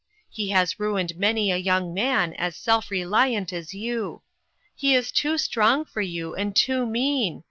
He has ruined many a young man as self reliant as you. He is too strong for you, and too mean